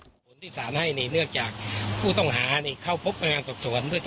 สามารถให้นึกจากผู้ต้องหานี่เข้าพบมางานส่อบสวนด้วยตัว